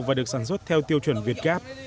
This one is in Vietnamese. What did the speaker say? và được sản xuất theo tiêu chuẩn việt gap